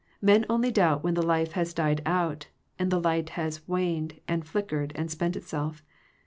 Men only doubt when the life has died out, and the light has waned, and flickered, and spent itself.